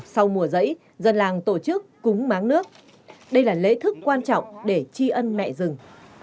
sau mùa giấy dân làng tổ chức cúng máng nước đây là lễ thức quan trọng để tri ân mẹ rừng